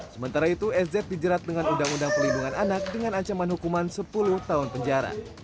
sementara itu sz dijerat dengan undang undang pelindungan anak dengan ancaman hukuman sepuluh tahun penjara